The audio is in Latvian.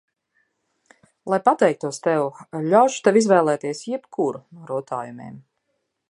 Lai pateiktos tev, ļaušu tev izvēlēties jebkuru no rotājumiem.